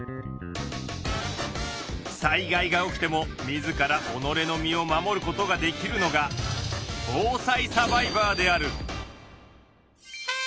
災害が起きてもみずからおのれの身を守ることができるのが防災サバイバーである！